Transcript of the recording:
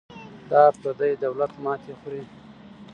دا پردی دولت ماتې خوري.